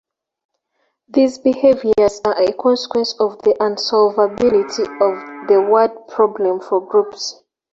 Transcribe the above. These behaviours are a consequence of the unsolvability of the word problem for groups.